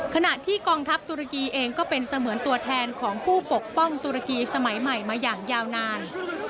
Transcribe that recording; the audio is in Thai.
ขณะที่กองทัพตุรกีเองก็เป็นเสมือนตัวแทนของผู้ปกป้องตุรกีสมัยใหม่มาอย่างยาวนาน